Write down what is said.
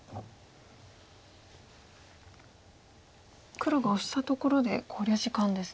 黒がオシたところで考慮時間ですね。